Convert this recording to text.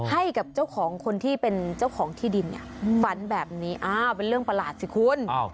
ให้กับเจ้าของคนที่เป็นเจ้าของที่ดินเนี่ยฝันแบบนี้อ้าวเป็นเรื่องประหลาดสิคุณ